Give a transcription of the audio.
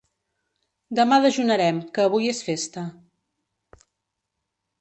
Demà dejunarem, que avui és festa.